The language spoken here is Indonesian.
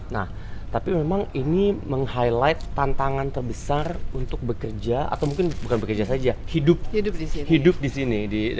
nah tapi memang ini meng highlight tantangan terbesar untuk bekerja atau mungkin bukan bekerja saja hidup di sini